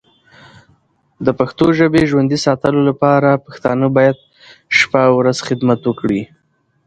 پښتو ژبی ژوندی ساتلو لپاره پښتانه باید شپه او ورځ خدمت وکړې.